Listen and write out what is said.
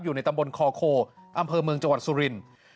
อยู่ในตำบลคอโคอำเภอเมืองจังหวัดสุรินทร์